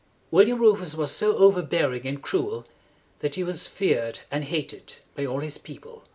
William Rufus was so over bear ing and cruel that he was feared and hated by all his people.